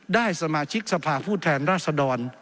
ได้สมาชิกสภาพผู้แทนราชดร